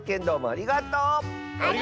ありがとう！